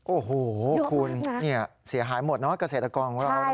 โอ้โหคุณเสียหายหมดเนอะเกษตรกรของเรา